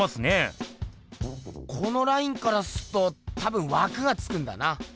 このラインからすっと多分わくがつくんだな。